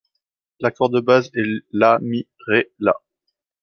L'accord de base est La-Mi-Ré-La.